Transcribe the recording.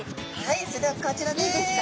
はいそれではこちらです。